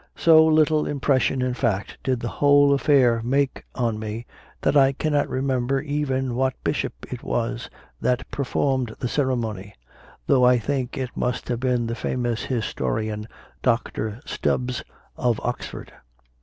So little impression, in fact, did the i8 CONFESSIONS OF A CONVERT whole affair make on me that I cannot remember even what Bishop it was that performed the cere mony; though I think it must have been the famous historian, Dr. Stubbs, of Oxford.